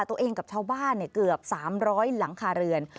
กับชาวบ้านเกือบ๓๐๐หลังคาเรือน